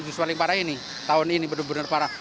justru paling parah ini tahun ini benar benar parah